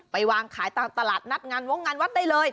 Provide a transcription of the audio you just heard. วางขายตามตลาดนัดงานวงงานวัดได้เลย